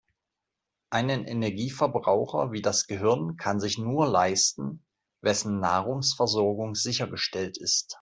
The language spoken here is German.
Einen Energieverbraucher wie das Gehirn kann sich nur leisten, wessen Nahrungsversorgung sichergestellt ist.